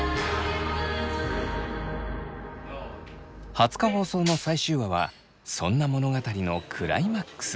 ２０日放送の最終話はそんな物語のクライマックス。